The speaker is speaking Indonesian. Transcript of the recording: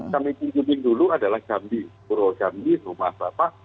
kami tinggalkan dulu adalah jambi mwaro jambi rumah bapak